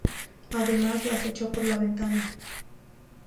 A las demás las echó por la ventana.